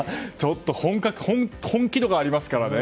本気度がありますからね。